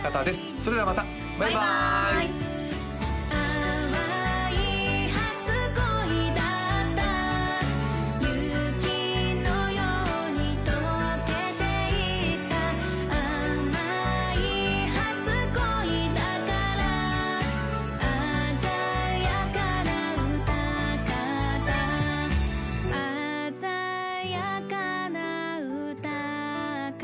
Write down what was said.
それではまたバイバーイ淡い初恋だった雪のように溶けていった甘い初恋だから鮮やかな泡沫鮮やかな泡沫